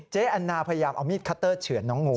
แอนนาพยายามเอามีดคัตเตอร์เฉือนน้องงู